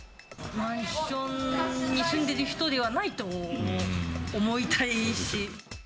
マンションに住んでる人ではないと思いたいし。